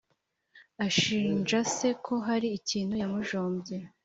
ashinja se ko hari ikintu yamujombye.